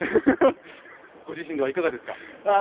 ご自身ではいかがですか。